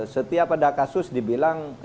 setiap ada kasus dibilang